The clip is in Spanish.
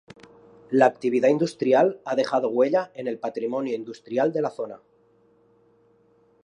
La actividad industrial ha dejado huella en el patrimonio industrial de la zona.